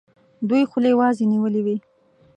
دوی خولې وازي نیولي وي.